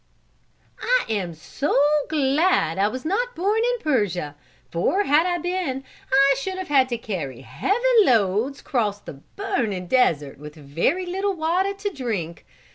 "I am so glad I was not born in Persia, for had I been I should have had to carry heavy loads and cross the burning desert with very little water to drink.